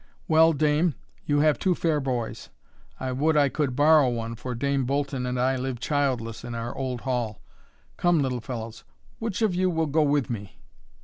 Well, dame, you have two fair boys; I would I could borrow one, for Dame Bolton and I live childless in our old hall. Come, little fellows, which of you will go with me?"